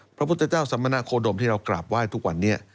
พระพุทธเจ้าสมณโคดมที่เรากราบไหว้ทุกวันนี้